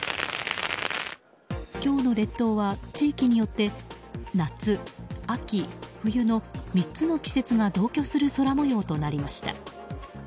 今日の列島は地域によって夏、秋、冬の３つの季節が同居する空模様となりました。